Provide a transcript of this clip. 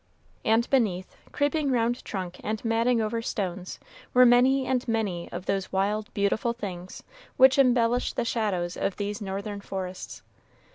And beneath, creeping round trunk and matting over stones, were many and many of those wild, beautiful things which embellish the shadows of these northern forests.